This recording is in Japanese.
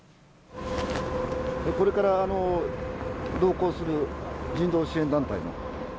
これから同行する人道支援団体。